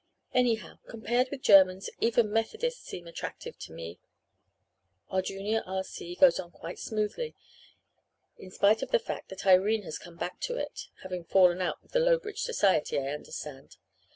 Anyhow, compared with Germans even Methodists seem attractive to me.' "Our Junior R.C. goes on quite smoothly, in spite of the fact that Irene has come back to it having fallen out with the Lowbridge society, I understand.